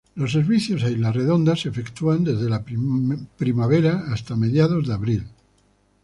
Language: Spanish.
Los servicios a isla Redonda se efectúan desde la primavera hasta mediados de abril.